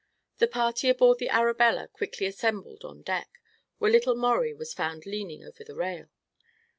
The party aboard the Arabella quickly assembled on deck, where little Maurie was found leaning over the rail.